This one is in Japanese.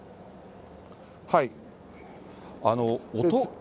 はい。